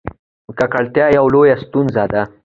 ککړتیا یوه لویه ستونزه ده.